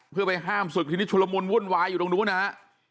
เพื่อไปห้ามศึกทีนี้ชุลมุนวุ่นวายอยู่ตรงนู้นนะฮะ